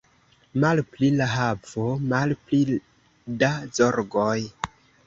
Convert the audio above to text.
Malpli da havo, malpli da zorgoj.